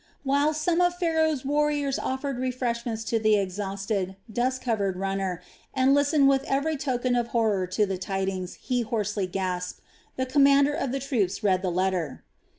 While some of Pharaoh's warriors offered refreshments to the exhausted, dust covered runner, and listened with every token of horror to the tidings he hoarsely gasped, the commander of the troops read the letter.